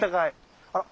あら！